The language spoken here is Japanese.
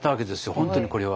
本当にこれは。